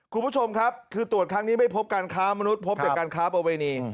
คุณผู้ชมครับคือตรวจครั้งนี้ไม่พบการค้ามนุษย์พบแต่การค้าประเวณี